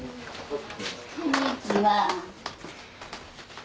こんにちは。